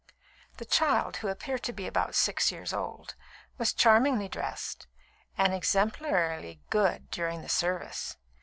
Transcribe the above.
The child, who appeared to be about six years old, was charmingly dressed, and exemplarily good during the service.